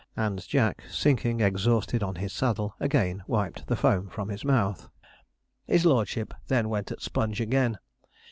And Jack, sinking exhausted on his saddle, again wiped the foam from his mouth. His lordship then went at Sponge again.